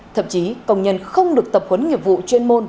thậm chí công nhân không được tập huấn nghiệp vụ chuyên môn